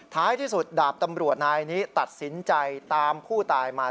ท้ายที่สุดดาบตำรวจนายนี้ตัดสินใจตามผู้ตายมา